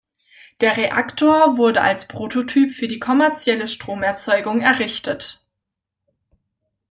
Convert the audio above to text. Der Reaktor wurde als Prototyp für die kommerzielle Stromerzeugung errichtet.